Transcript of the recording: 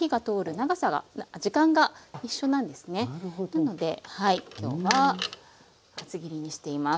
なので今日は厚切りにしています。